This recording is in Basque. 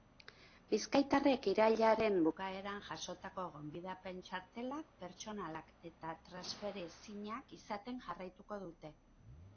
Bizkaitarrek irailaren bukaeran jasotako gonbidapen txartelak pertsonalak eta transferiezinak izaten jarraituko dute.